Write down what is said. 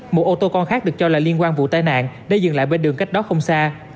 một ô tô con khác được cho là liên quan vụ tai nạn đã dừng lại bên đường cách đó không xa